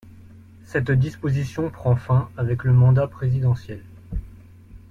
Cette disposition prend fin avec le mandat présidentiel.